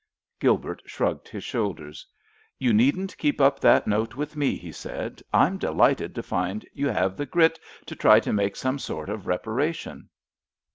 Gilbert shrugged his shoulders. "You needn't keep up that note with me," he said. "I'm delighted to find you have the grit to try to make some sort of reparation."